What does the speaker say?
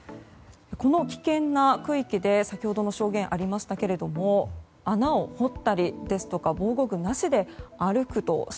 この危険な区域で、先ほどの証言ありましたけれども穴を掘ったりですとか防護服なしで歩くと。